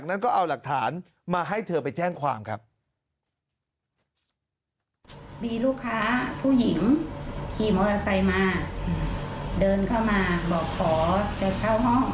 เดินเข้ามาบอกขอจะเช่าห้อง